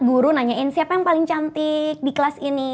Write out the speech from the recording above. guru nanyain siapa yang paling cantik di kelas ini